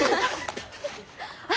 あっ。